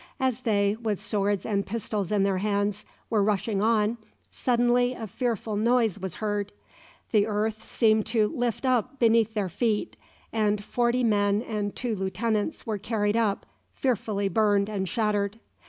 As they, with swords and pistols in their hands, were rushing on, suddenly a fearful noise was heard. The earth seemed to lift up beneath their feet, and forty men and two lieutenants were carried up, fearfully burned and shattered.